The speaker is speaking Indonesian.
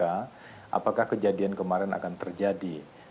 apakah kejadian kemarin akan terjadi